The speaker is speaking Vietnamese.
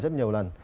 rất nhiều lần